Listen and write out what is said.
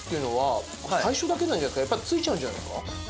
やっぱついちゃうんじゃないですか？